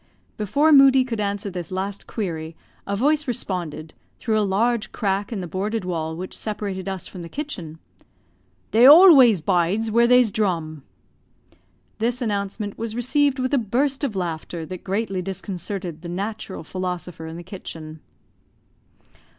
Before Moodie could answer this last query a voice responded, through a large crack in the boarded wall which separated us from the kitchen, "They always bides where they's drum." This announcement was received with a burst of laughter that greatly disconcerted the natural philosopher in the kitchen.